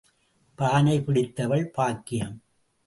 பானை பிடித்தவள் பாக்கியம்.